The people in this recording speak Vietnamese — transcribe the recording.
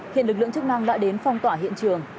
hiện lực lượng chức năng đã đến phong tỏa hiện trường